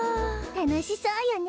たのしそうよね